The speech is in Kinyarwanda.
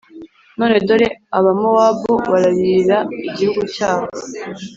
None dore Abamowabu bararirira igihugu cyabo,